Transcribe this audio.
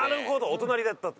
お隣だった。